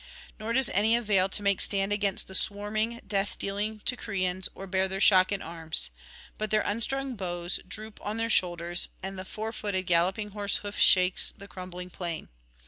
Nor does any avail to make stand against the swarming death dealing Teucrians, or bear their shock in arms; but their unstrung bows droop on their shoulders, and the four footed galloping horse hoof shakes the crumbling plain.